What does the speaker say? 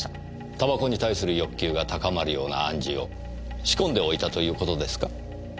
煙草に対する欲求が高まるような暗示を仕込んでおいたということですか？